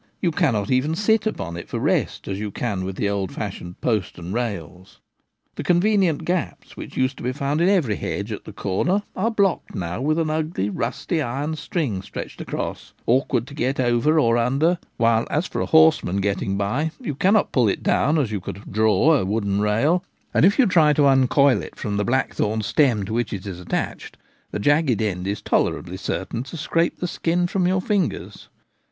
You cannot even sit upon it for rest, as you can on the old fashioned post and rails. The convenient gaps which used to be found in every hedge at the corner are blocked now with an ugly rusty iron string stretched across, awkward to get over or under ; while as for a horse man getting by, you cannot pull it down as you could 1 draw ' a wooden rail, and if you try to uncoil it from the blackthorn stem to which it is attached the jagged end is tolerably certain to scrape the skin from your lingers. Destruction of Young Trees.